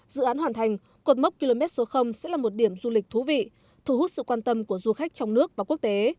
dự án hoàn thành cột mốc km số sẽ là một điểm du lịch thú vị thu hút sự quan tâm của du khách trong nước và quốc tế